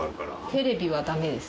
テレビはダメです